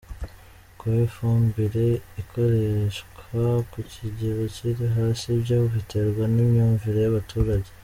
kuba ifumbire ikoreshwa ku kigero kiri hasi byo biterwa n’imyumvire y’abaturage.